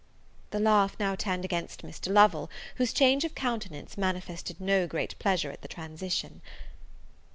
The laugh now turned against Mr. Lovel, whose change of countenance manifested no great pleasure at the transition.